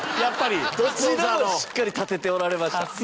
高橋：どちらもしっかり立てておられました。